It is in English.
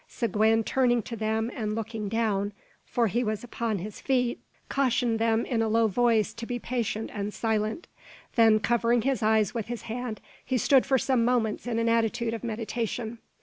Seguin, turning to them and looking down for he was upon his feet cautioned them in a low voice to be patient and silent. Then covering his eyes with his hand, he stood for some moments in an attitude of meditation.